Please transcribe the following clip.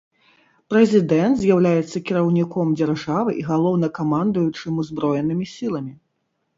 Прэзідэнт з'яўляецца кіраўніком дзяржавы і галоўнакамандуючым узброенымі сіламі.